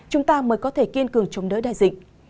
chúng ta mới có thể kiên cường chống đỡ đại dịch